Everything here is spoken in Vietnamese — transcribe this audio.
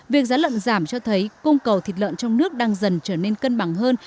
việc giá lợn giảm cho thấy cung cầu thịt lợn trong nước đang dần trở nên cân bằng hơn